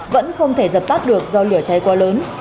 vẫn không thể dập tắt được do lửa cháy quá lớn